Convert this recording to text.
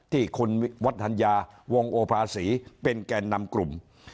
ที่คุณวัฒนยาวงโอภาษีเป็นแก่นำกลุ่ม